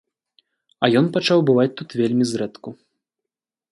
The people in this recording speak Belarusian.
А ён пачаў бываць тут вельмі зрэдку.